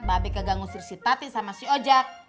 mabek kagak ngusir sitati sama si ojak